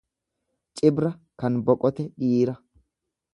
Cibra kan boqote. dhiira